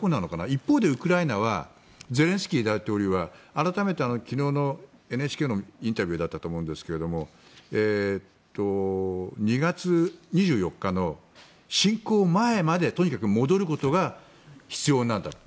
一方でウクライナはゼレンスキー大統領は改めて昨日のＮＨＫのインタビューだったと思いますが２月２４日の侵攻前までとにかく戻ることが必要なんだと。